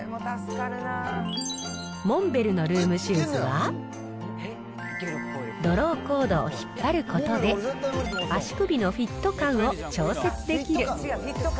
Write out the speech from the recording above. モンベルのルームシューズは、ドローコードを引っ張ることで、足首のフィット感を調節できる。